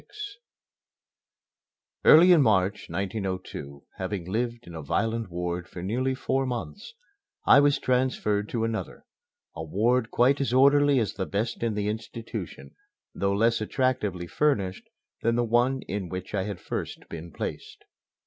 XXVI Early in March, 1902, having lived in a violent ward for nearly four months, I was transferred to another a ward quite as orderly as the best in the institution, though less attractively furnished than the one in which I had first been placed.